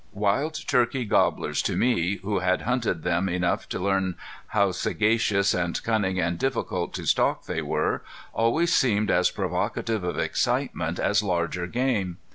Wild turkey gobblers to me, who had hunted them enough to learn how sagacious and cunning and difficult to stalk they were, always seemed as provocative of excitement as larger game.